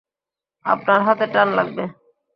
আপনার হাতে টান লাগবে!